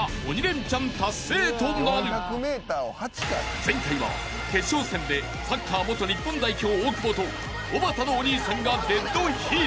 ［前回は決勝戦でサッカー元日本代表大久保とおばたのお兄さんがデッドヒート］